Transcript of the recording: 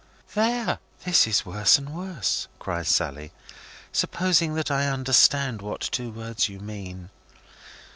"There! This is worse and worse," cries Sally, "supposing that I understand what two words you mean."